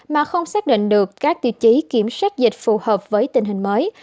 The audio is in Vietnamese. mà không xác định được các tiêu chí kiểm soát dịch phù hợp với tình hình mới